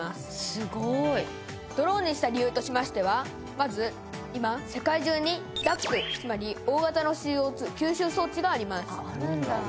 すごいドローンにした理由としましてはまず今世界中にＤＡＣつまり大型のＣＯ２吸収装置がありますあるんだ